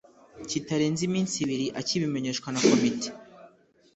kitarenze iminsi ibiri akibimenyeshwa na Komite